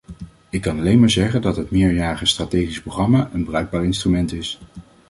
Ik kan alleen maar zeggen dat het meerjarige strategische programma een bruikbaar instrument is.